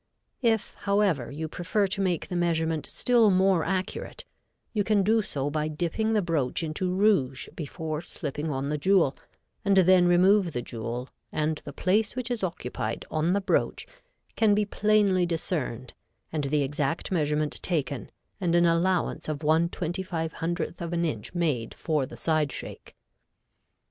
If, however, you prefer to make the measurement still more accurate, you can do so by dipping the broach into rouge before slipping on the jewel and then remove the jewel and the place which is occupied on the broach can be plainly discerned and the exact measurement taken and an allowance of 1/2500 of an inch made for the side shake.